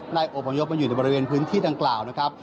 อบพยพมาอยู่ในบริเวณพื้นที่ดังกล่าวนะครับ